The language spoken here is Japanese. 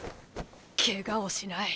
ケガをしない。